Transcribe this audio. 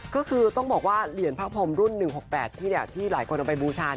ก็คือต้องบอกว่าเหรียญพระพรมรุ่น๑๖๘ที่หลายคนเอาไปบูชา